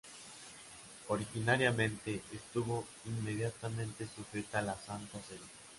Originariamente estuvo inmediatamente sujeta a la Santa Sede.